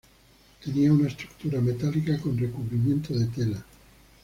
Tenía una estructura metálica con recubrimiento de tela.